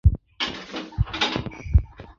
为老人和儿童进行各种比赛。